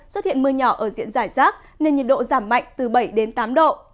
xuất hiện mưa nhỏ ở diện giải rác nên nhiệt độ giảm mạnh từ bảy đến tám độ